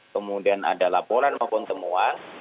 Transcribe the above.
kemudian ada laporan maupun temuan